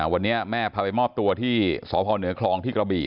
วันนี้แม่พาไปมอบตัวที่สพเหนือคลองที่กระบี่